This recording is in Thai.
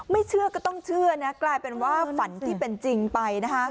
เชื่อก็ต้องเชื่อนะกลายเป็นว่าฝันที่เป็นจริงไปนะคะ